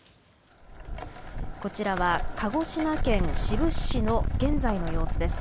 こちらは鹿児島県志布志市の現在の様子です。